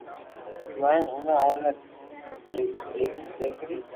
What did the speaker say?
تو ھين اووي اوني ڌاڪٽري